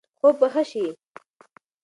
خوب به ښه شي.